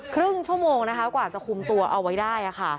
ครึ่งชั่วโมงนะคะกว่าจะคุมตัวเอาไว้ได้